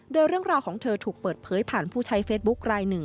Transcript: โดยเรื่องราวของเธอถูกเปิดเผยผ่านผู้ใช้เฟซบุ๊คลายหนึ่ง